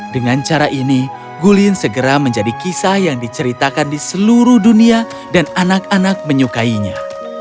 dengan cara ini gulin segera menjadi kisah yang diceritakan di seluruh dunia dan anak anak menyukainya